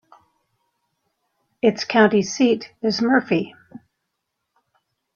Its county seat is Murphy.